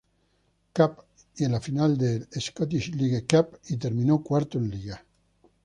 Cup y en la final de Scottish League Cup, y terminó cuarto en liga.